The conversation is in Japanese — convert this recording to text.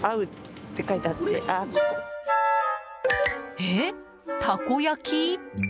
えっ、たこ焼き？